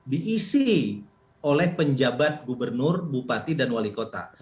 diisi oleh penjabat gubernur bupati dan wali kota